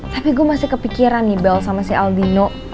tapi gue masih kepikiran nih bel sama si aldino